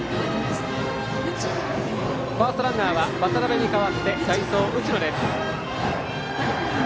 ファーストランナーは渡邊に代わって代走、打野です。